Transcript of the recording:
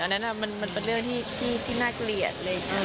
อันนั้นมันเป็นเรื่องที่น่าเกลียดเลย